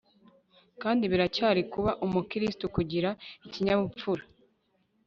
Kandi biracyari kuba umukristo kugira ikinyabupfura